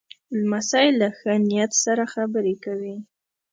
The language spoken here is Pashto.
لمسی له ښه نیت سره خبرې کوي.